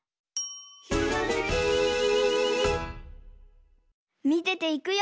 「ひらめき」みてていくよ。